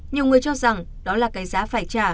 nhiều người cho rằng đó là cái giá phải trả